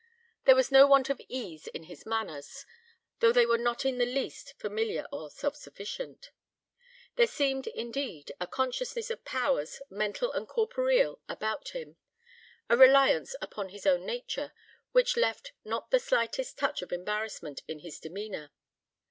There was no want of ease in his manners, though they were not in the least familiar or self sufficient. There seemed, indeed, a consciousness of powers mental and corporeal about him; a reliance upon his own nature, which left not the slightest touch of embarrassment in his demeanour.